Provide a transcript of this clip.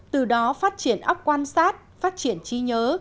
từ đó phát triển ốc quan sát phát triển trí nhớ